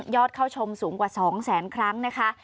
ยอดเข้าชมสูงกว่า๒๐๐๐๐๐ครั้งนะคะ